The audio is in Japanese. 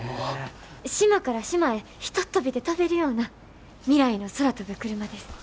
島から島へひとっ飛びで飛べるような未来の空飛ぶクルマです。